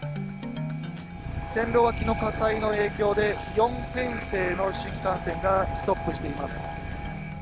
線路脇の火災の影響で新幹線がストップしています。